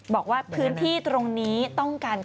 บอกว่าอยู่เบื้องกลาง